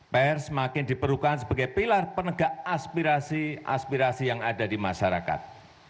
pr semakin diperlukan sebagai pilar penegak aspirasi aspirasi yang ada di masyarakat